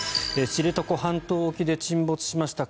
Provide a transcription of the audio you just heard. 知床半島沖で沈没しました